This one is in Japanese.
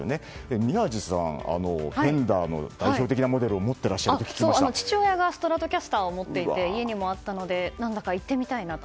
宮司さんはフェンダーの代表的なモデルを父親がストラトキャスターを持っていて家にもあったので何だか行ってみたいなと。